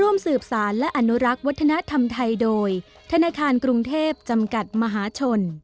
ร่วมสืบสารและอนุรักษ์วัฒนธรรมไทยโดยธนาคารกรุงเทพจำกัดมหาชน